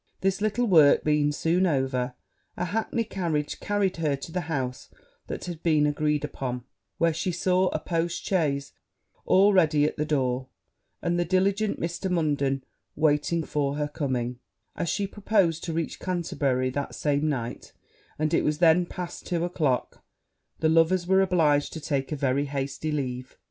This little work being soon over, a hackney coach carried her to the house that had been agreed upon; where she saw a post chaise already at the door, and the diligent Mr. Munden waiting for her coming: as she proposed to reach Canterbury that same night, and it was then past two o'clock, the lovers were obliged to take a very hasty leave.